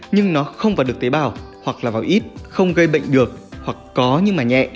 nhưng nó không vào được tế bào hoặc là vào ít không gây bệnh được hoặc có nhưng mà nhẹ